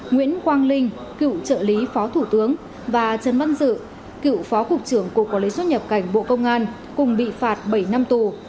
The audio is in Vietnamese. nguyễn quang linh cựu trợ lý phó thủ tướng và trần văn dự cựu phó cục trưởng cục quản lý xuất nhập cảnh bộ công an cùng bị phạt bảy năm tù